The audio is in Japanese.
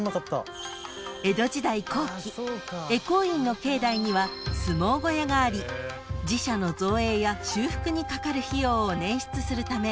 ［江戸時代後期回向院の境内には相撲小屋があり寺社の造営や修復にかかる費用を捻出するため］